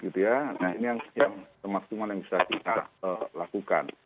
nah ini yang semaksimal yang bisa kita lakukan